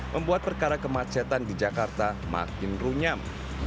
membuat perkara kemacetan di jakarta makin runyam